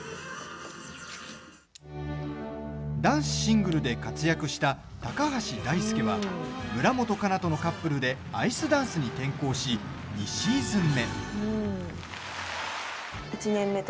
男子シングルで活躍した高橋大輔は村元哉中とのカップルでアイスダンスに転向し２シーズン目。